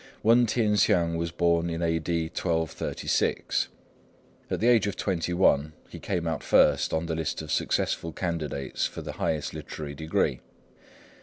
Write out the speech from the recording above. Wên T'ien hsiang was born in A.D. 1236. At the age of twenty one he came out first on the list of successful candidates for the highest literary degree.